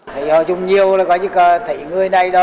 thầy hồi chung nhiều là có những thầy người này đó